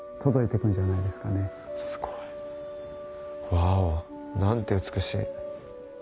ワオ何て美しい。